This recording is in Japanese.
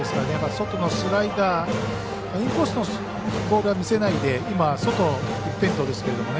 外のスライダー、インコースのボールは見せないで今は外一辺倒ですけどね。